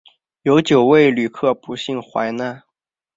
有九位旅客不幸罹难